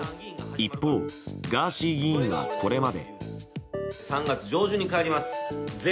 一方、ガーシー議員はこれまで。